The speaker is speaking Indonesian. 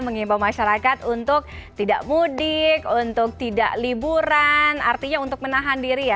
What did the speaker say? mengimbau masyarakat untuk tidak mudik untuk tidak liburan artinya untuk menahan diri ya